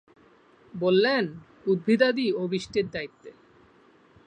বললেন, উদ্ভিদাদি ও বৃষ্টির দায়িত্বে।